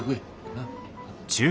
なっ。